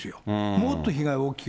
もっと被害大きい。